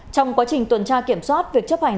trong quá trình tuần tra kiểm soát việc chấp hành